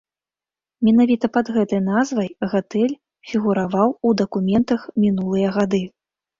Менавіта пад гэтай назвай гатэль фігураваў у дакументах мінулыя гады.